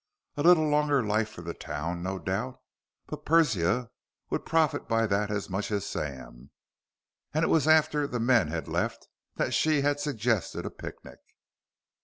A little longer life for the town, no doubt. But Persia would profit by that as much as Sam. And it was after the men had left that she had suggested a picnic....